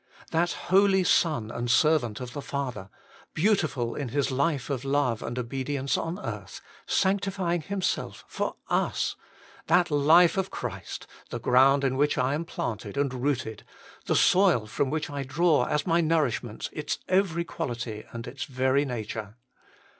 That holy Son and Servant of the Father, beautiful in His life of love and obedience on earth, sanctifying Himself for us that life of Christ, the ground in which I am planted and rooted, the soil from which I draw 26 HOLY IN CHRIST. as my nourishment its every quality and its very nature.